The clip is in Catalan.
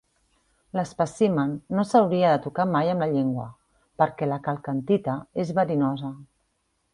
L'espècimen no s'hauria de tocar mai amb la llengua, perquè la calcantita és verinosa.